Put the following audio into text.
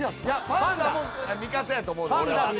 パンダも味方やと思うねん俺は。